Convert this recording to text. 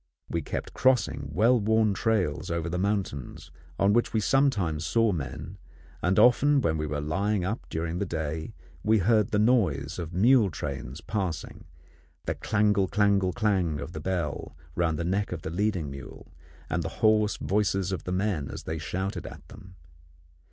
We kept crossing well worn trails over the mountains, on which we sometimes saw men, and often when we were lying up during the day we heard the noise of mule trains passing, the clangle clangle clang of the bell round the neck of the leading mule, and the hoarse voices of the men as they shouted at them.